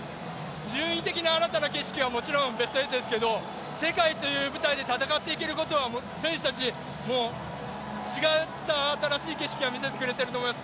順位的な新たな景色は、もちろんベスト８ですけど世界という舞台で戦っていけることは選手たちも違った新しい景色を見せてくれていると思います。